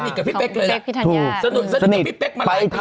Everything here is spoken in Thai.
สนิทกับพี่เป๊กเลยนะสนิทกับพี่เป๊กมาหลายปีเที่ยว